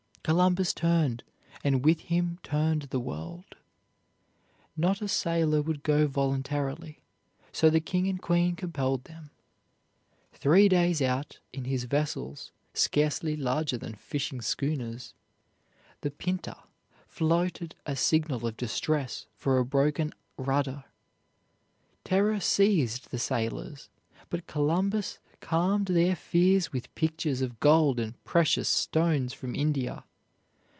Columbus turned and with him turned the world. Not a sailor would go voluntarily; so the king and queen compelled them. Three days out, in his vessels scarcely larger than fishing schooners, the Pinta floated a signal of distress for a broken rudder. Terror seized the sailors, but Columbus calmed their fears with pictures of gold and precious stones from India.